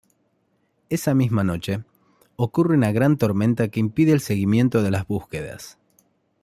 Esa misma noche, ocurre una gran tormenta que impide el seguimiento de las búsquedas.